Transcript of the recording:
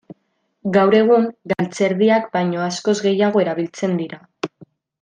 Gaur egun, galtzerdiak baino askoz gehiago erabiltzen dira.